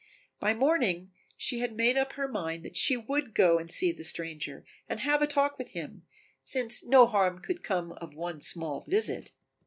By morning she had made up her mind that she would go and see the stranger and have a talk with him, since no harm could come of one small visit.